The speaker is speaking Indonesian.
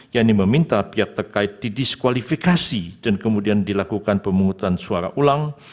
yang diminta pihak terkait didiskualifikasi dan kemudian dilakukan pemungutan suara ulang